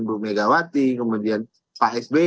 bumegawati kemudian pak sps